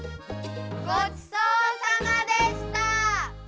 ごちそうさまでした！